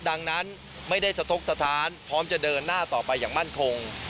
ดังนั้นไม่ได้สะทกสถานพร้อมจะเดินหน้าต่อไปอย่างมั่นคง